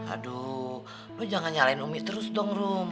aduh lo jangan nyalain umi terus dong rum